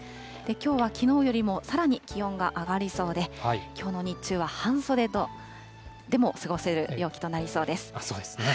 きょうはきのうよりもさらに気温が上がりそうで、きょうの日中は半袖でも過ごせる陽気となりそうです。